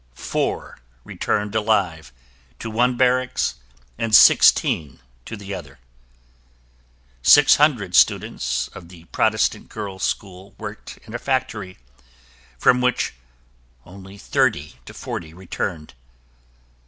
Four returned alive to one barracks and sixteen to the other. 600 students of the Protestant girls' school worked in a factory, from which only thirty to forty returned.